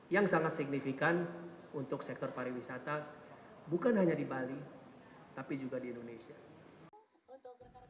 dan juga sangat signifikan untuk sektor parawisata bukan hanya di bali tapi juga di indonesia